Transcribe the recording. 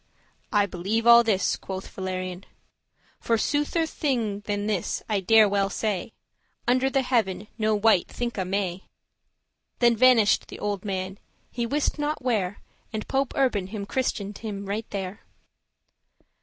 "I believe all this," quoth Valerian, "For soother* thing than this, I dare well say, *truer Under the Heaven no wight thinke may." Then vanish'd the old man, he wist not where And Pope Urban him christened right there.